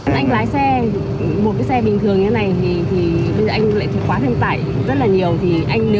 anh lái xe một cái xe bình thường như thế này thì anh lại quá thêm tải rất là nhiều